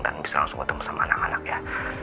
dan bisa langsung ketemu sama anak anak ya